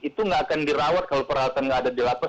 itu nggak akan dirawat kalau peralatan nggak ada di lapas